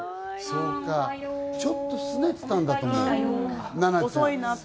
そうか、ちょっとすねてたんだ、ナナちゃん。